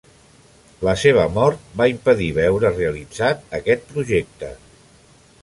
La seva mort va impedir veure realitzat aquest projecte.